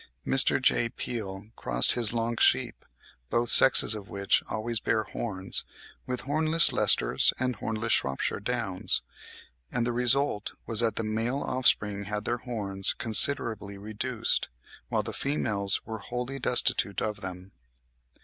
Mr. J. Peel crossed his Lonk sheep, both sexes of which always bear horns, with hornless Leicesters and hornless Shropshire Downs; and the result was that the male offspring had their horns considerably reduced, whilst the females were wholly destitute of them.